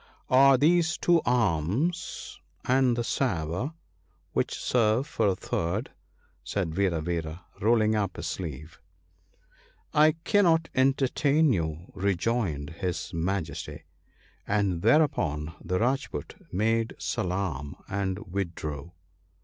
1 Are these two arms, and this sabre, which serve for a third/ said Vira vara, rolling up his sleeve. * I cannot entertain you/ rejoined his Majesty ; and thereupon the Rajpoot made salaam, and withdrew.